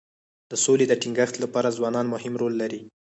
د سولي د ټینګښت لپاره ځوانان مهم رول لري.